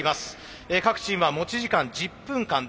各チームは持ち時間１０分間です。